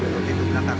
melalui hidup nakal